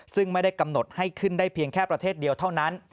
ซึ่งไม่ได้กำหนดให้ขึ้นได้เพียงแค่ประเทศเดียวเท่านั้น